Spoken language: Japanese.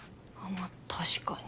まあ確かに。